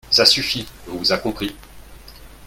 Ça suffit, on vous a compris